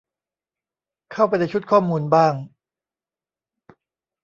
เข้าไปในชุดข้อมูลบ้าง